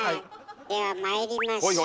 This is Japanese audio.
ではまいりましょう。